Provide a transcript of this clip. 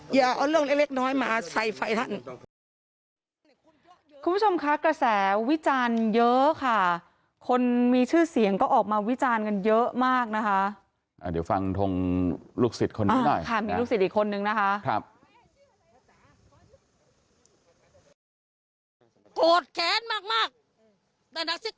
อย่าเอาเรื่องเล็กน้อยมาใส่ไฟท่าน